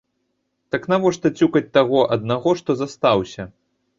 Так навошта цюкаць таго аднаго, што застаўся?